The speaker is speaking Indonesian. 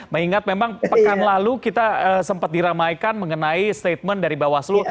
mengingat memang pekan lalu kita sempat diramaikan mengenai statement dari bawaslu